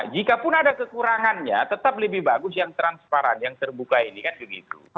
jikapun ada kekurangannya tetap lebih bagus yang transparan yang terbuka ini kan begitu